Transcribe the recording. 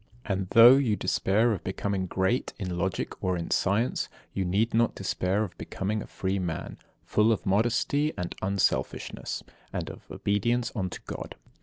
And though you despair of becoming great in Logic or in Science, you need not despair of becoming a free man, full of modesty and unselfishness, and of obedience unto God.